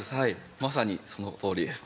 まさにそのとおりです。